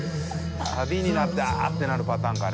）サビになって「あっ」てなるパターンかね？）